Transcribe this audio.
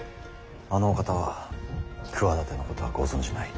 あのお方は企てのことはご存じない。